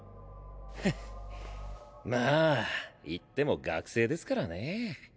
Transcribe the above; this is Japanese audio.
ヘッま言っても学生ですからね。